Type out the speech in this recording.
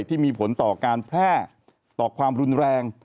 ที่มีผลต่อการแพร่ต่อความรุนแรง